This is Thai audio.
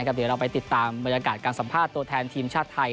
เดี๋ยวเราไปติดตามบรรยากาศการสัมภาษณ์ตัวแทนทีมชาติไทย